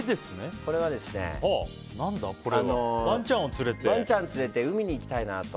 これはワンちゃんを連れて海に行きたいなと。